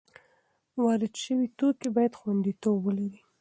وارد شوي توکي باید خوندیتوب ولري.